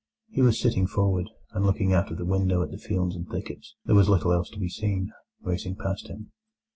He was sitting forward, and looking out of the window at the fields and thickets—there was little else to be seen—racing past him.